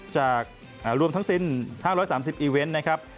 จากรวมทั้งสิ้น๕๓๐อีเวนต์นะครับ